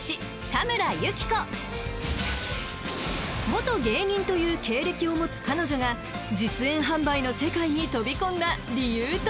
［元芸人という経歴を持つ彼女が実演販売の世界に飛び込んだ理由とは？］